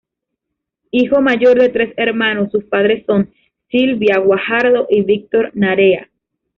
Hijo mayor de tres hermanos, sus padres son: Silvia Guajardo y Víctor Narea.